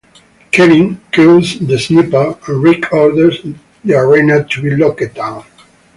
Kevin kills the sniper and Rick orders the arena to be locked down.